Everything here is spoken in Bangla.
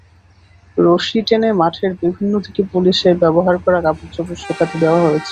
রশি টেনে মাঠের বিভিন্ন দিকে পুলিশের ব্যবহার করা কাপড়চোপড় শুকাতে দেওয়া হয়েছে।